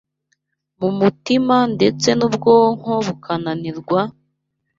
mu mutima ndetse n’ubwonko bukananirwa,